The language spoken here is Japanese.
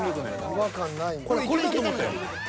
［違和感ない］